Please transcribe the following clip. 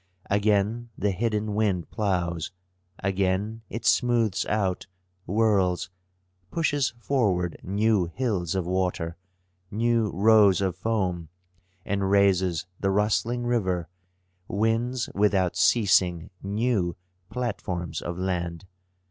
Again the hidden wind ploughs, again it smooths out, whirls, pushes forward new hills of water, new rows of foam, and raises the rustling river, wins without ceasing new platforms of land.